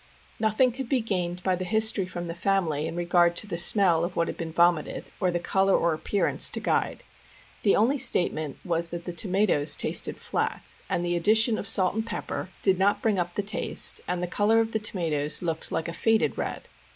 Nothing could be •gained by the history from the family in regard to the smell of what had been vomited, or the color or appearance to guide. The only statement was that the tomatoes tasted flat, and the addition of salt and pepper did not bring up POISONING BY CANNED GOODS. 61 the taste, and the color of the tomatoes looked like a faded red.